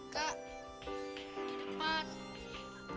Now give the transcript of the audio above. kak di depan ada mas dewa